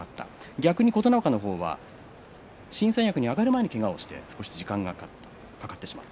逆に琴ノ若の方は新三役に上がる前にけがをして少し時間がかかってしまった。